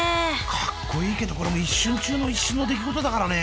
かっこいいけどこれも一瞬中の一瞬の出来事だからね。